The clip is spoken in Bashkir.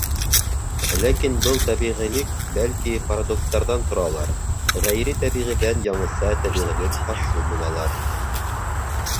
Ләкин был тәбиғилек, бәлки, парадокстарҙан торалыр, ғәйре тәбиғиҙән яңыса тәбиғилек хасил булалыр.